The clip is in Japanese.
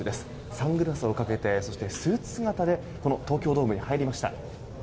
サングラスをかけてスーツ姿でこの東京ドームへ入りました。